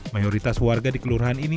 mayoritas warga di kelurahan ini